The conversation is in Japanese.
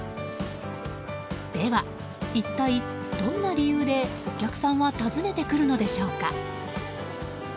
では一体どんな理由でお客さんは訪ねてくるのでしょうか。